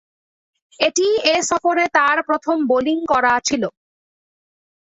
এটিই এ সফরে তার প্রথম বোলিং করা ছিল।